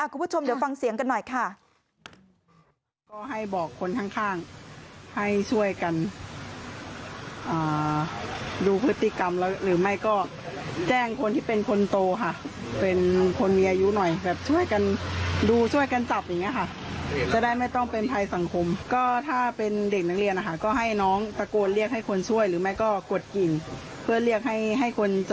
คุณผู้ชมเดี๋ยวฟังเสียงกันหน่อยค่ะ